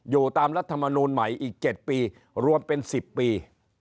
ตามรัฐมนูลใหม่อีก๗ปีรวมเป็น๑๐ปี